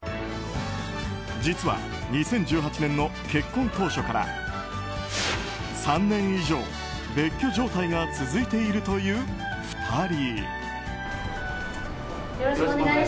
実は２０１８年の結婚当初から３年以上、別居状態が続いているという２人。